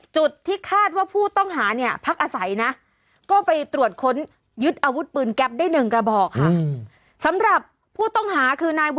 จุดที่คาดว่าผู้ต้องหาเนี่ยพักอาศัยนะก็ไปตรวจค้นยึดอาวุธปืนแก๊ปได้๑กระบอกค่ะ